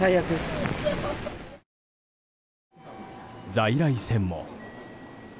在来線も。